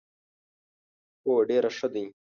هو، ډیر ښه دي